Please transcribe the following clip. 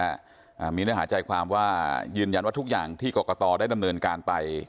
อ่ามีเนื้อหาใจความว่ายืนยันว่าทุกอย่างที่กรกตได้ดำเนินการไป